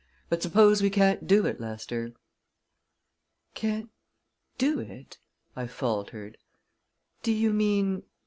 "But suppose we can't do it, Lester?" "Can't do it?" I faltered. "Do you mean